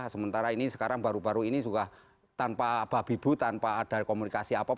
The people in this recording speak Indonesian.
sementara ini sekarang baru baru ini sudah tanpa babibu tanpa ada komunikasi apapun